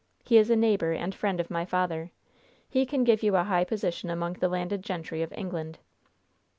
"He is a neighbor and friend of my father. He can give you a high position among the landed gentry of England."